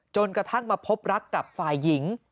กระทั่งมาพบรักกับฝ่ายหญิง